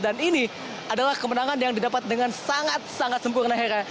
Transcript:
dan ini adalah kemenangan yang didapat dengan sangat sangat sempurna hera